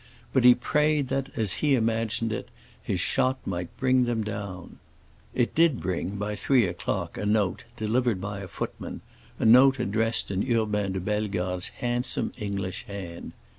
But he prayed that, as he imagined it, his shot might bring them down. It did bring, by three o'clock, a note, delivered by a footman; a note addressed in Urbain de Bellegarde's handsome English hand.